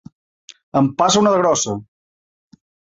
En passa una de grossa!